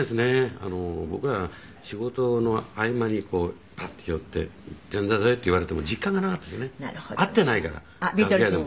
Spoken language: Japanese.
僕ら仕事の合間にこうパッて寄って「前座だよ」って言われても実感がなかったですね会っていないから楽屋でも。